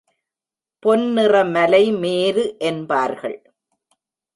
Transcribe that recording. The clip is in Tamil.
பொன்னிற மலை மேரு என்பார்கள்.